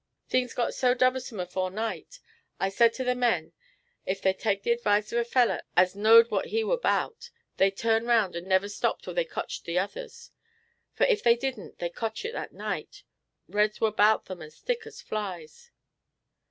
"Things got so dubersome afore night, I said to the men ef they'd take the advice of a feller as knowed what he war 'bout, they'd turn round and never stop till they cotched the others; for ef they didn't, they'd cotch it at night; reds war 'bout them as thick as flies.